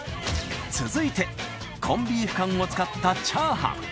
続いてコンビーフ缶を使ったチャーハン。